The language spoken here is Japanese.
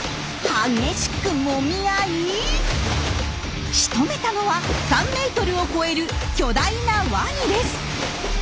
激しくもみ合いしとめたのは３メートルを超える巨大なワニです。